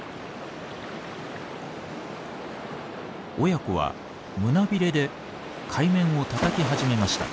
親子は胸びれで海面をたたき始めました。